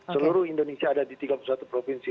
seluruh indonesia ada di tiga puluh satu provinsi